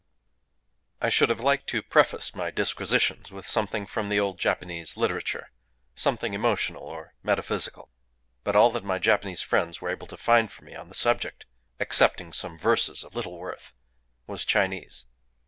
I should have liked to preface my disquisitions with something from the old Japanese literature,—something emotional or metaphysical. But all that my Japanese friends were able to find for me on the subject,—excepting some verses of little worth,—was Chinese.